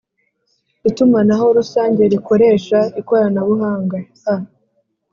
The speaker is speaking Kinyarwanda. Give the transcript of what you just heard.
itumanaho rusange rikoresha ikoranabuhanga a